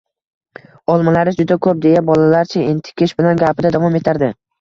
Olmalari juda ko`p, deya bolalarcha entikish bilan gapida davom etardi